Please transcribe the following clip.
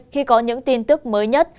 khi có những tin tức mới nhất